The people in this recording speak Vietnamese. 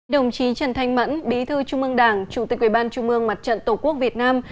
đồng chí trần thanh mẫn bí thư trung mương đảng chủ tịch ubnd mặt trận tổ quốc việt nam